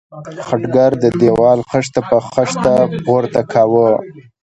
خټګر د دېوال خښته په خښته پورته کاوه.